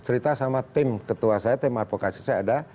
cerita sama tim ketua saya tim advokasi saya ada